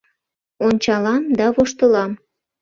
Ончалам да воштылам